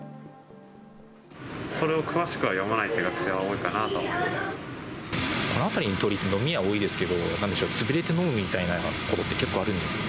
それを詳しくは読まないっていう学生は多いかなって思ってまこの辺りの通りって飲み屋多いですけど、なんでしょう、潰れて飲むみたいなことって結構あるんですか。